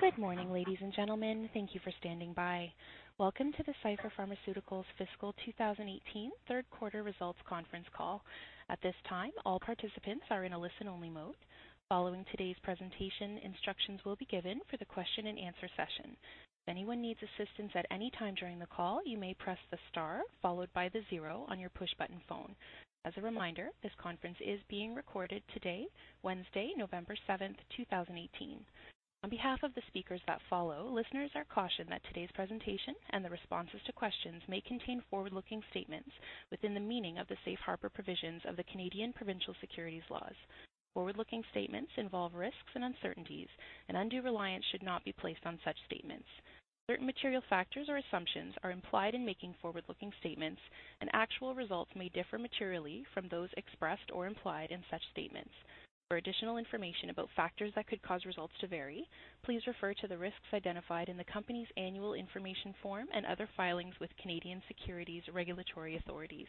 Good morning, ladies and gentlemen. Thank you for standing by. Welcome to the Cipher Pharmaceuticals Fiscal 2018 third quarter results conference call. At this time, all participants are in a listen-only mode. Following today's presentation, instructions will be given for the question-and-answer session. If anyone needs assistance at any time during the call, you may press the star followed by the zero on your push button phone. As a reminder, this conference is being recorded today, Wednesday, November 7th, 2018. On behalf of the speakers that follow, listeners are cautioned that today's presentation and the responses to questions may contain forward-looking statements within the meaning of the safe harbor provisions of the Canadian provincial securities laws. Forward-looking statements involve risks and uncertainties, and undue reliance should not be placed on such statements. Certain material factors or assumptions are implied in making forward-looking statements, and actual results may differ materially from those expressed or implied in such statements. For additional information about factors that could cause results to vary, please refer to the risks identified in the company's Annual Information Form and other filings with Canadian securities regulatory authorities.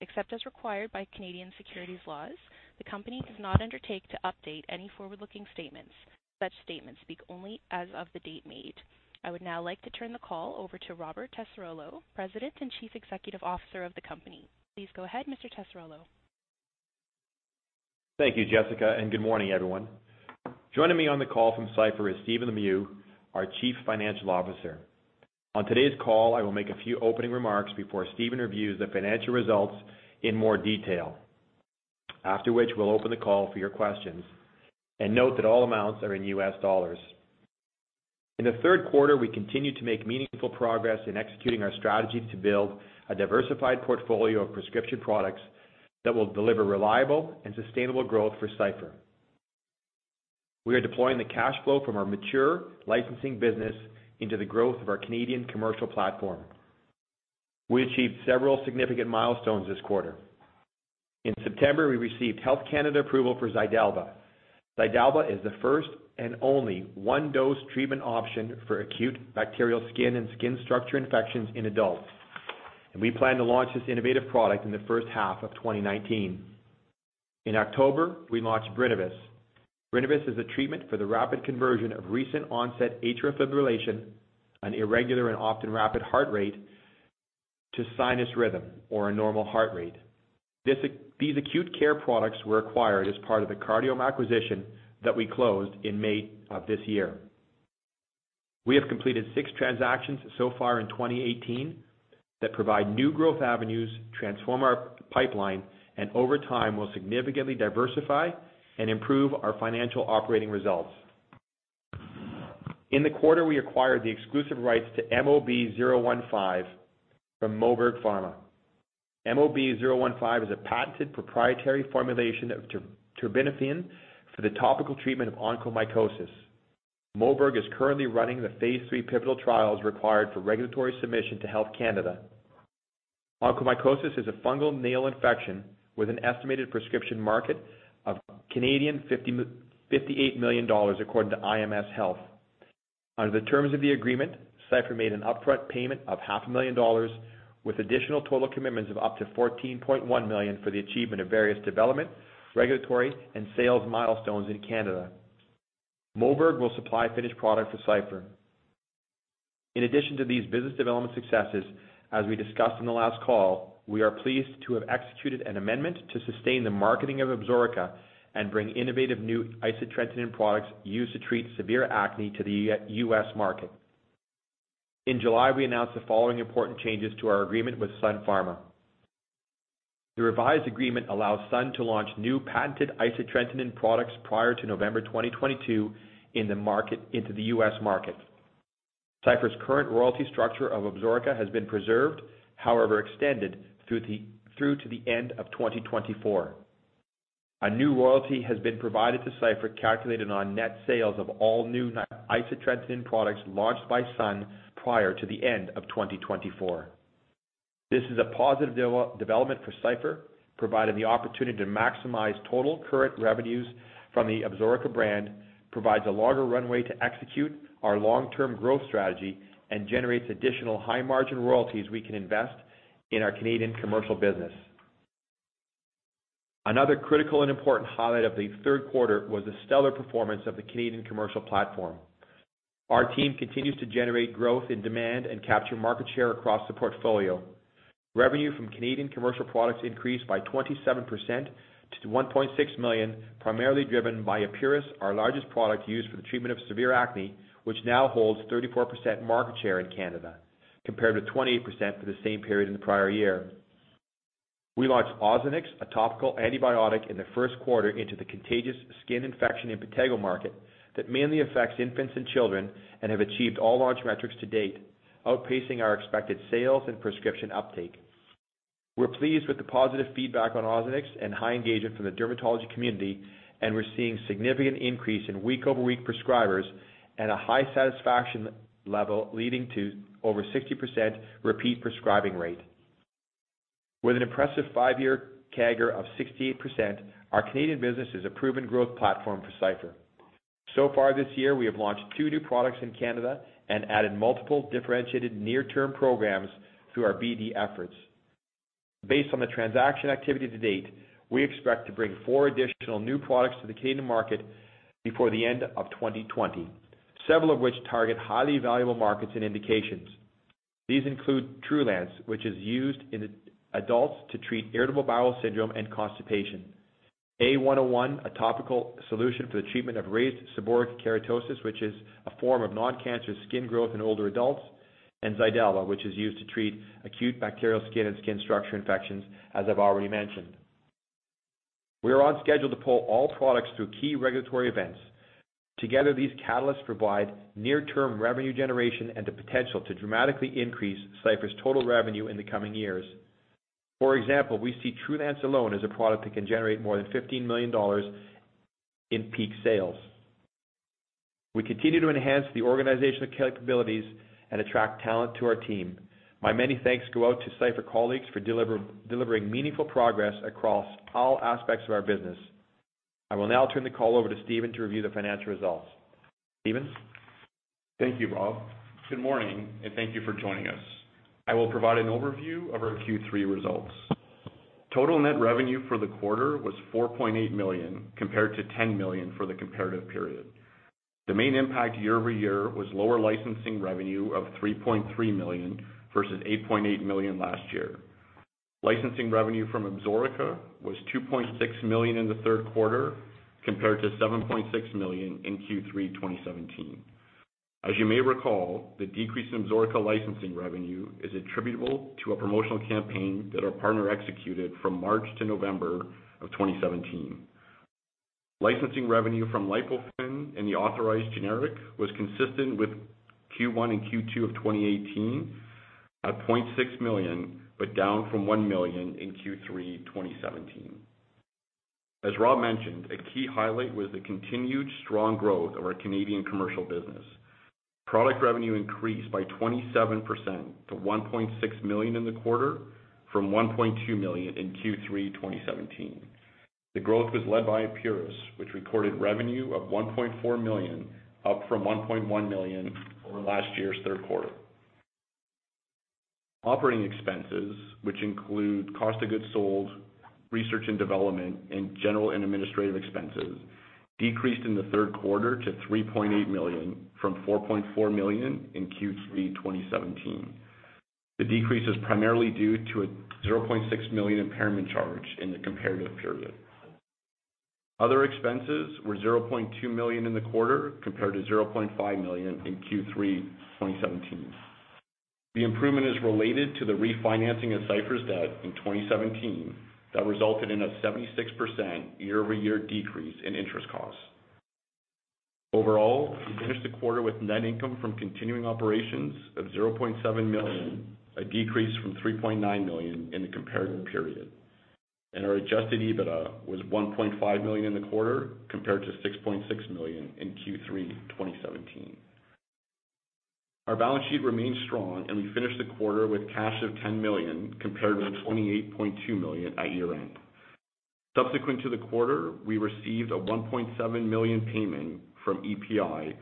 Except as required by Canadian securities laws, the company does not undertake to update any forward-looking statements. Such statements speak only as of the date made. I would now like to turn the call over to Robert Tessarolo, President and Chief Executive Officer of the company. Please go ahead, Mr. Tessarolo. Thank you, Jessica, and good morning, everyone. Joining me on the call from Cipher is Stephen Lemieux, our Chief Financial Officer. On today's call, I will make a few opening remarks before Stephen reviews the financial results in more detail, after which we'll open the call for your questions. Note that all amounts are in US dollars. In the third quarter, we continue to make meaningful progress in executing our strategy to build a diversified portfolio of prescription products that will deliver reliable and sustainable growth for Cipher. We are deploying the cash flow from our mature licensing business into the growth of our Canadian commercial platform. We achieved several significant milestones this quarter. In September, we received Health Canada approval for Xydalba. Xydalba is the first and only one-dose treatment option for acute bacterial skin and skin structure infections in adults, and we plan to launch this innovative product in the first half of 2019. In October, we launched Brinavess. Brinavess is a treatment for the rapid conversion of recent onset atrial fibrillation, an irregular and often rapid heart rate, to sinus rhythm or a normal heart rate. These acute care products were acquired as part of the Cardiome acquisition that we closed in May of this year. We have completed six transactions so far in 2018 that provide new growth avenues, transform our pipeline, and over time will significantly diversify and improve our financial operating results. In the quarter, we acquired the exclusive rights to MOB-015 from Moberg Pharma. MOB-015 is a patented proprietary formulation of terbinafine for the topical treatment of onychomycosis. Moberg Pharma is currently running the phase III pivotal trials required for regulatory submission to Health Canada. Onychomycosis is a fungal nail infection with an estimated prescription market of 58 million Canadian dollars according to IMS Health. Under the terms of the agreement, Cipher made an upfront payment of $500,000 with additional total commitments of up to $14.1 million for the achievement of various development, regulatory, and sales milestones in Canada. Moberg Pharma will supply finished product for Cipher. In addition to these business development successes, as we discussed in the last call, we are pleased to have executed an amendment to sustain the marketing of Absorica and bring innovative new isotretinoin products used to treat severe acne to the US market. In July, we announced the following important changes to our agreement with Sun Pharma. The revised agreement allows Sun to launch new patented isotretinoin products prior to November 2022 in the market into the US market. Cipher's current royalty structure of Absorica has been preserved, however, extended through to the end of 2024. A new royalty has been provided to Cipher calculated on net sales of all new isotretinoin products launched by Sun prior to the end of 2024. This is a positive development for Cipher, providing the opportunity to maximize total current revenues from the Absorica brand, provides a longer runway to execute our long-term growth strategy, and generates additional high-margin royalties we can invest in our Canadian commercial business. Another critical and important highlight of the third quarter was the stellar performance of the Canadian commercial platform. Our team continues to generate growth in demand and capture market share across the portfolio. Revenue from Canadian commercial products increased by 27% to $1.6 million, primarily driven by Epuris, our largest product used for the treatment of severe acne, which now holds 34% market share in Canada, compared with 28% for the same period in the prior year. We launched Ozanex, a topical antibiotic in the first quarter into the contagious skin infection impetigo market that mainly affects infants and children and has achieved all launch metrics to date, outpacing our expected sales and prescription uptake. We're pleased with the positive feedback on Ozanex and high engagement from the dermatology community, and we're seeing a significant increase in week-over-week prescribers and a high satisfaction level leading to over 60% repeat prescribing rate. With an impressive five-year CAGR of 68%, our Canadian business is a proven growth platform for Cipher. So far this year, we have launched two new products in Canada and added multiple differentiated near-term programs through our BD efforts. Based on the transaction activity to date, we expect to bring four additional new products to the Canadian market before the end of 2020, several of which target highly valuable markets and indications. These include Trulance, which is used in adults to treat irritable bowel syndrome and constipation, A101, a topical solution for the treatment of raised seborrheic keratosis, which is a form of non-cancerous skin growth in older adults, and Xydalba, which is used to treat acute bacterial skin and skin structure infections, as I've already mentioned. We are on schedule to pull all products through key regulatory events. Together, these catalysts provide near-term revenue generation and the potential to dramatically increase Cipher's total revenue in the coming years. For example, we see Trulance alone as a product that can generate more than $15 million in peak sales. We continue to enhance the organizational capabilities and attract talent to our team. My many thanks go out to Cipher colleagues for delivering meaningful progress across all aspects of our business. I will now turn the call over to Stephen to review the financial results. Stephen? Thank you, Rob. Good morning, and thank you for joining us. I will provide an overview of our Q3 results. Total net revenue for the quarter was $4.8 million compared to $10 million for the comparative period. The main impact year-over-year was lower licensing revenue of $3.3 million versus $8.8 million last year. Licensing revenue from Absorica was $2.6 million in the third quarter compared to $7.6 million in Q3 2017. As you may recall, the decrease in Absorica licensing revenue is attributable to a promotional campaign that our partner executed from March to November of 2017. Licensing revenue from Lipofen and the authorized generic was consistent with Q1 and Q2 of 2018 at $0.6 million, but down from $1 million in Q3 2017. As Rob mentioned, a key highlight was the continued strong growth of our Canadian commercial business. Product revenue increased by 27% to $1.6 million in the quarter, from $1.2 million in Q3 2017. The growth was led by Epuris, which recorded revenue of $1.4 million, up from $1.1 million over last year's third quarter. Operating expenses, which include cost of goods sold, research and development, and general and administrative expenses, decreased in the third quarter to $3.8 million, from $4.4 million in Q3 2017. The decrease is primarily due to a $0.6 million impairment charge in the comparative period. Other expenses were $0.2 million in the quarter compared to $0.5 million in Q3 2017. The improvement is related to the refinancing of Cipher's debt in 2017 that resulted in a 76% year-over-year decrease in interest costs. Overall, we finished the quarter with net income from continuing operations of $0.7 million, a decrease from $3.9 million in the comparative period, and our Adjusted EBITDA was $1.5 million in the quarter compared to $6.6 million in Q3 2017. Our balance sheet remained strong, and we finished the quarter with cash of $10 million compared to $28.2 million at year-end. Subsequent to the quarter, we received a $1.7 million payment from EPI,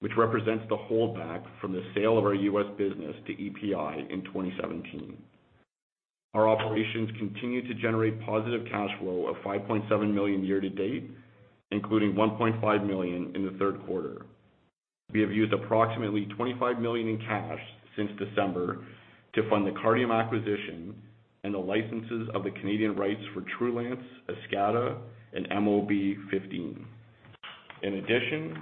which represents the holdback from the sale of our U.S. business to EPI in 2017. Our operations continue to generate positive cash flow of $5.7 million year-to-date, including $1.5 million in the third quarter. We have used approximately $25 million in cash since December to fund the cardio acquisition and the licenses of the Canadian rights for Trulance, Eskata, and MOB-015. In addition,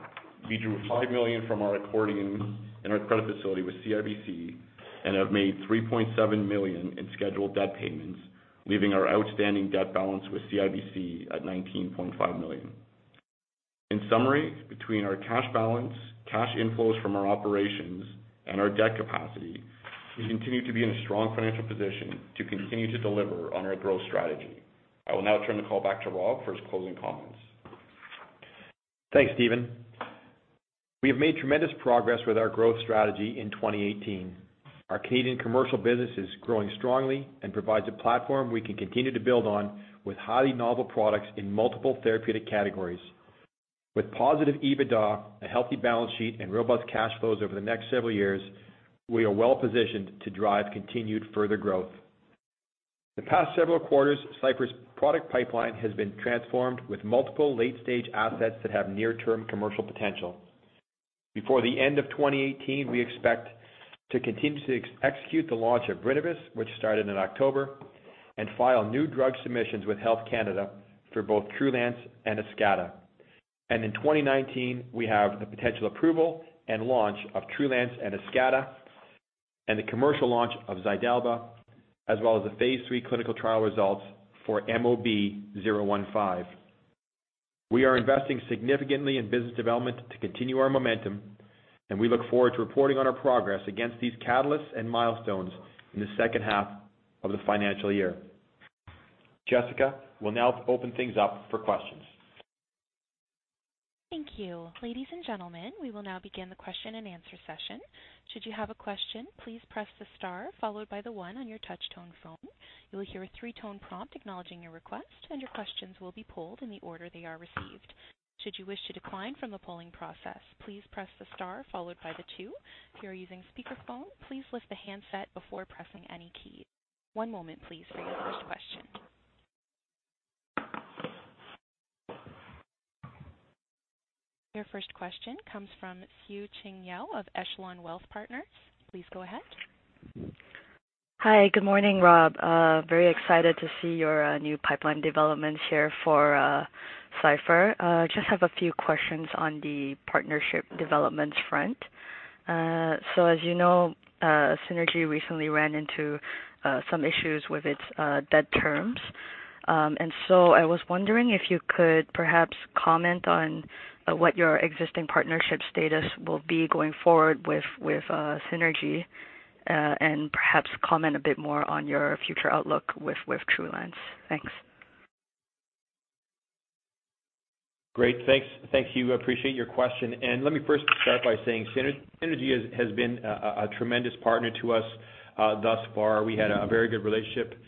we drew $5 million from our accordion in our credit facility with CIBC and have made $3.7 million in scheduled debt payments, leaving our outstanding debt balance with CIBC at $19.5 million. In summary, between our cash balance, cash inflows from our operations, and our debt capacity, we continue to be in a strong financial position to continue to deliver on our growth strategy. I will now turn the call back to Rob for his closing comments. Thanks, Stephen. We have made tremendous progress with our growth strategy in 2018. Our Canadian commercial business is growing strongly and provides a platform we can continue to build on with highly novel products in multiple therapeutic categories. With positive EBITDA, a healthy balance sheet, and robust cash flows over the next several years, we are well positioned to drive continued further growth. The past several quarters, Cipher's product pipeline has been transformed with multiple late-stage assets that have near-term commercial potential. Before the end of 2018, we expect to continue to execute the launch of Brinavess, which started in October, and file new drug submissions with Health Canada for both Trulance and Eskata. And in 2019, we have the potential approval and launch of Trulance and Eskata, and the commercial launch of Xydalba, as well as the phase three clinical trial results for MOB-015. We are investing significantly in business development to continue our momentum, and we look forward to reporting on our progress against these catalysts and milestones in the second half of the financial year. Jessica, we'll now open things up for questions. Thank you. Ladies and gentlemen, we will now begin the question and answer session. Should you have a question, please press the star followed by the one on your touchtone phone. You will hear a three-tone prompt acknowledging your request, and your questions will be pulled in the order they are received. Should you wish to decline from the polling process, please press the star followed by the two. If you are using speakerphone, please lift the handset before pressing any key. One moment, please, for your first question. Your first question comes from Siew Ching Yeo of Echelon Wealth Partners. Please go ahead. Hi, good morning, Rob. Very excited to see your new pipeline developments here for Cipher. Just have a few questions on the partnership developments front. So, as you know, Synergy recently ran into some issues with its debt terms. And so I was wondering if you could perhaps comment on what your existing partnership status will be going forward with Synergy and perhaps comment a bit more on your future outlook with Trulance. Thanks. Great. Thanks. Thanks. Siew, I appreciate your question. And let me first start by saying Synergy has been a tremendous partner to us thus far. We had a very good relationship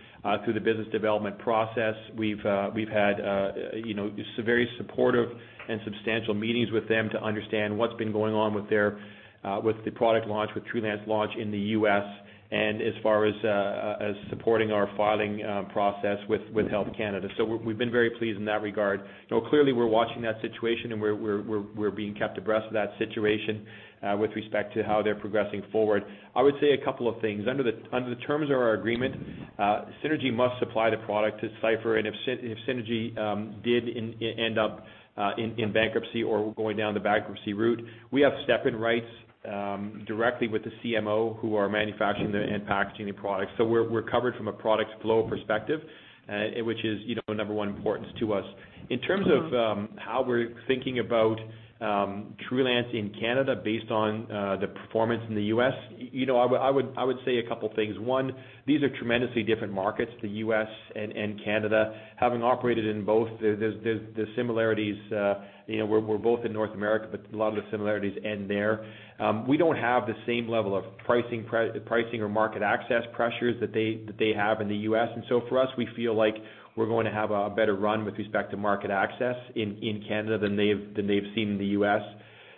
through the business development process. We've had some very supportive and substantial meetings with them to understand what's been going on with the product launch, with Trulance launch in the U.S., and as far as supporting our filing process with Health Canada. So we've been very pleased in that regard. Now, clearly, we're watching that situation, and we're being kept abreast of that situation with respect to how they're progressing forward. I would say a couple of things. Under the terms of our agreement, Synergy must supply the product to Cipher. And if Synergy did end up in bankruptcy or going down the bankruptcy route, we have step-in rights directly with the CMO who are manufacturing and packaging the product. So we're covered from a product flow perspective, which is number one importance to us. In terms of how we're thinking about Trulance in Canada based on the performance in the U.S., I would say a couple of things. One, these are tremendously different markets, the U.S. and Canada. Having operated in both, there's similarities. We're both in North America, but a lot of the similarities end there. We don't have the same level of pricing or market access pressures that they have in the U.S. And so for us, we feel like we're going to have a better run with respect to market access in Canada than they've seen in the U.S.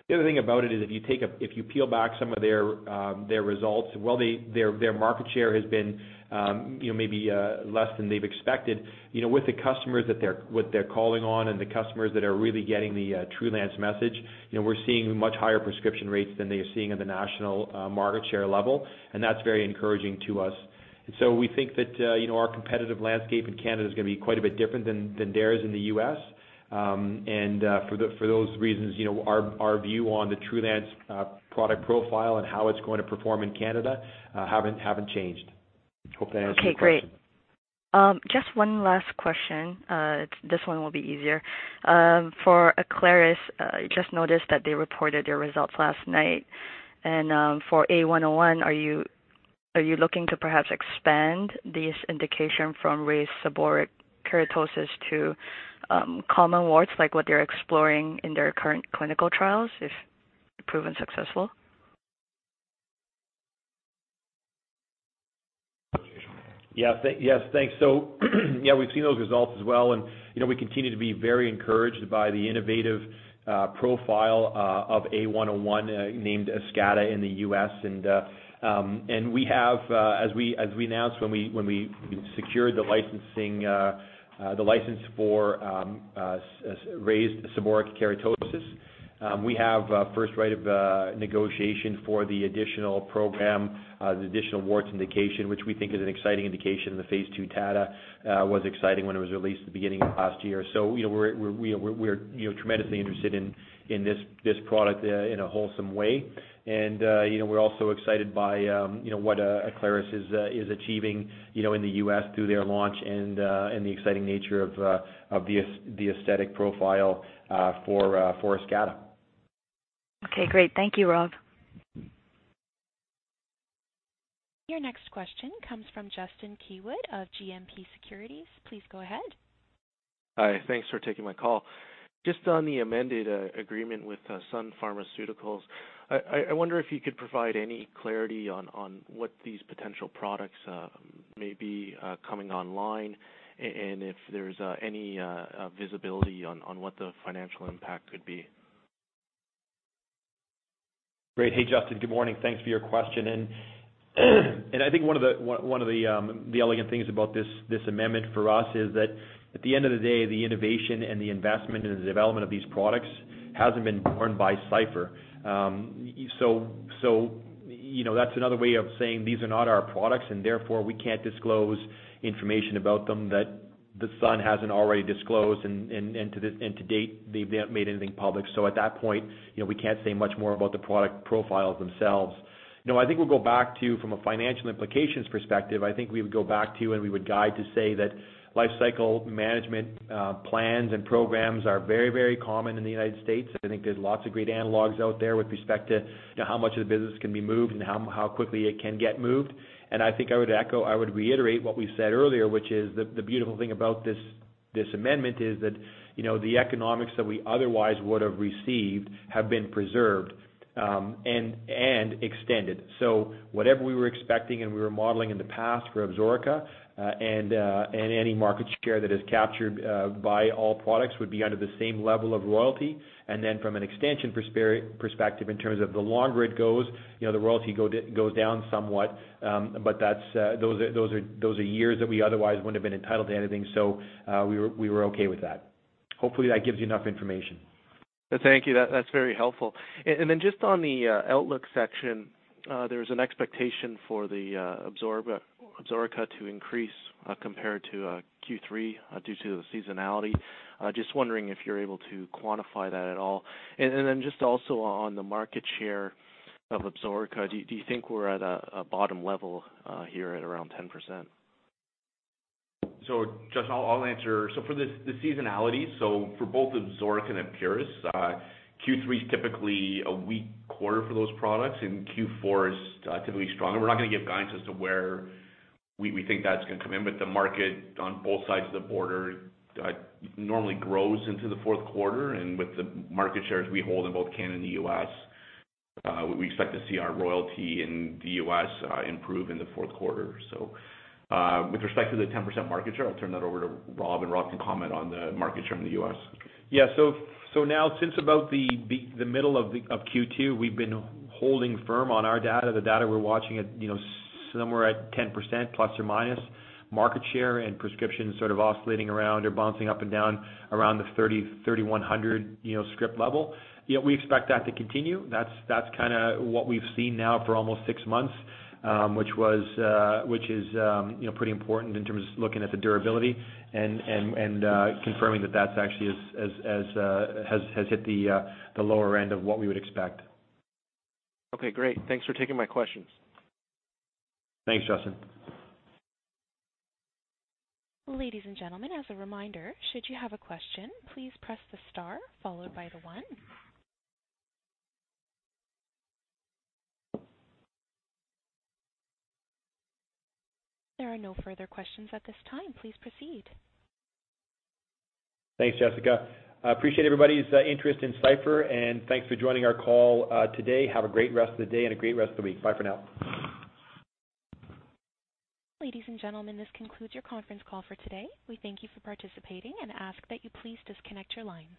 The other thing about it is if you peel back some of their results, well, their market share has been maybe less than they've expected. With the customers that they're calling on and the customers that are really getting the Trulance message, we're seeing much higher prescription rates than they are seeing at the national market share level, and that's very encouraging to us, and so we think that our competitive landscape in Canada is going to be quite a bit different than theirs in the U.S., and for those reasons, our view on the Trulance product profile and how it's going to perform in Canada haven't changed. Hope that answers your question. Okay. Great. Just one last question. This one will be easier. For Aclaris, you just noticed that they reported their results last night. And for A101, are you looking to perhaps expand this indication from raised seborrheic keratosis to common warts, like what they're exploring in their current clinical trials, if proven successful? Yes. Thanks. So yeah, we've seen those results as well. And we continue to be very encouraged by the innovative profile of A101 named Eskata in the U.S. And we have, as we announced when we secured the license for raised seborrheic keratosis, we have first right of negotiation for the additional program, the additional warts indication, which we think is an exciting indication. The phase two data was exciting when it was released at the beginning of last year. So we're tremendously interested in this product in a wholesome way. And we're also excited by what Aclaris is achieving in the US through their launch and the exciting nature of the aesthetic profile for Eskata. Okay. Great. Thank you, Rob. Your next question comes from Justin Keywood of GMP Securities. Please go ahead. Hi. Thanks for taking my call. Just on the amended agreement with Sun Pharmaceuticals, I wonder if you could provide any clarity on what these potential products may be coming online and if there's any visibility on what the financial impact could be? Great. Hey, Justin. Good morning. Thanks for your question. And I think one of the elegant things about this amendment for us is that at the end of the day, the innovation and the investment in the development of these products hasn't been borne by Cipher. So that's another way of saying these are not our products, and therefore we can't disclose information about them that the Sun hasn't already disclosed. And to date, they've not made anything public. So at that point, we can't say much more about the product profiles themselves. I think we'll go back to, from a financial implications perspective, I think we would go back to and we would guide to say that life cycle management plans and programs are very, very common in the United States. I think there's lots of great analogs out there with respect to how much of the business can be moved and how quickly it can get moved. And I think I would reiterate what we said earlier, which is the beautiful thing about this amendment is that the economics that we otherwise would have received have been preserved and extended. So whatever we were expecting and we were modeling in the past for Absorica and any market share that is captured by all products would be under the same level of royalty. And then from an extension perspective, in terms of the longer it goes, the royalty goes down somewhat. But those are years that we otherwise wouldn't have been entitled to anything. So we were okay with that. Hopefully, that gives you enough information. Thank you. That's very helpful. And then just on the outlook section, there's an expectation for the Absorica to increase compared to Q3 due to the seasonality. Just wondering if you're able to quantify that at all. And then just also on the market share of Absorica, do you think we're at a bottom level here at around 10%? So I'll answer. So for the seasonalities, so for both Absorica and Epuris, Q3 is typically a weak quarter for those products, and Q4 is typically stronger. We're not going to give guidance as to where we think that's going to come in, but the market on both sides of the border normally grows into the fourth quarter. And with the market shares we hold in both Canada and the U.S., we expect to see our royalty in the U.S. improve in the fourth quarter. So with respect to the 10% market share, I'll turn that over to Rob, and Rob can comment on the market share in the U.S. Yeah. So now, since about the middle of Q2, we've been holding firm on our data. The data we're watching at somewhere at 10% plus or minus market share and prescriptions sort of oscillating around or bouncing up and down around the 3,100 script level. We expect that to continue. That's kind of what we've seen now for almost six months, which is pretty important in terms of looking at the durability and confirming that that's actually has hit the lower end of what we would expect. Okay. Great. Thanks for taking my questions. Thanks, Justin. Ladies and gentlemen, as a reminder, should you have a question, please press the star followed by the one. There are no further questions at this time. Please proceed. Thanks, Jessica. Appreciate everybody's interest in Cipher, and thanks for joining our call today. Have a great rest of the day and a great rest of the week. Bye for now. Ladies and gentlemen, this concludes your conference call for today. We thank you for participating and ask that you please disconnect your lines.